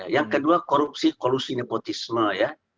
yang kedua korupsi kolusi nepotisme ya